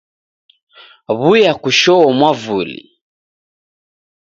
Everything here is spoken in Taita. W'uya kushoo mwavuli